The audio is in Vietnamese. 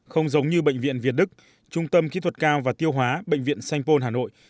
không giống như bệnh viện việt đức trung tâm kỹ thuật cao và tiêu hóa bệnh viện sanh pôn hà nội